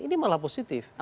ini malah positif